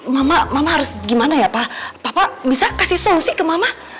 mama mama harus gimana ya pak bapak bisa kasih solusi ke mama